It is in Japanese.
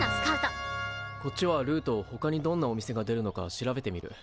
こっちはルーとほかにどんなお店が出るのか調べてみる。